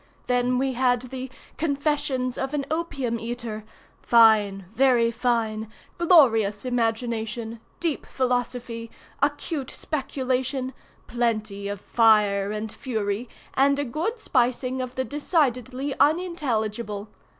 Then we had the 'Confessions of an Opium eater'—fine, very fine!—glorious imagination—deep philosophy acute speculation—plenty of fire and fury, and a good spicing of the decidedly unintelligible.